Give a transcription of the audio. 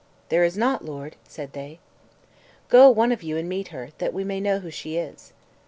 "There is not, lord," said they. "Go one of you and meet her, that we may know who she is."